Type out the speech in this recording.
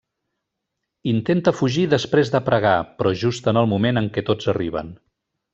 Intenta fugir després de pregar, però just en el moment en què tots arriben.